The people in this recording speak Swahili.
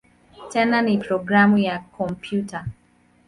Tena ni programu ya kompyuta.